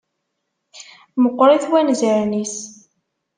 Meqqṛit wanzaren-is.